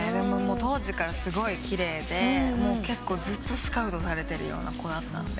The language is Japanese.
当時からすごい奇麗で結構ずっとスカウトされてるような子だったので。